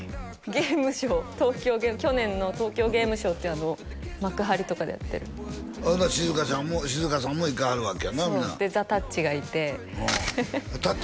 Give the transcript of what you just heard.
ゲームショウ東京ゲーム去年の東京ゲームショウっていう幕張とかでやってる志津香さんも行かはるわけやなそうでザ・たっちがいてうんたっ